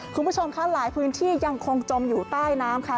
คุณผู้ชมค่ะหลายพื้นที่ยังคงจมอยู่ใต้น้ำค่ะ